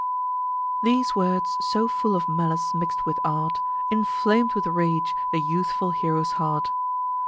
These words, so full of malice mix'd with art, Inflam'd with rage the youthful hero's heart.